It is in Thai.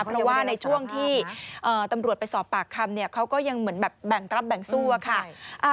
เพราะว่าในช่วงที่ตำรวจไปสอบปากคำเขาก็ยังเหมือนแบบแบ่งรับแบ่งสู้อะค่ะ